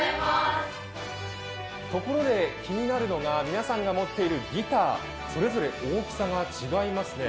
ところで気になるのが、皆さんが持っているギター、それぞれ大きさが違いますね。